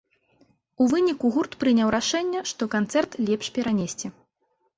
У выніку, гурт прыняў рашэнне, што канцэрт лепш перанесці.